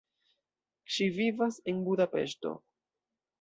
Ŝi vivas en Budapeŝto.